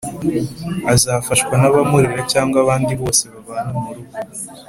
azafashwa n'abamurera cyangwa abandi bose babana mu rugo.